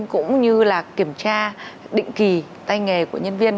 cũng như là kiểm tra định kỳ tay nghề của nhân viên